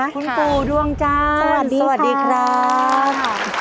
คุณปู่ดวงจันทร์สวัสดีครับ